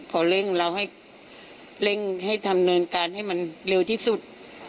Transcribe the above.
เร่งเราให้เร่งให้ทำเนินการให้มันเร็วที่สุด